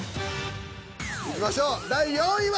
いきましょう第４位は！？